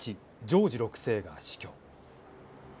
ジョージ６世が死去。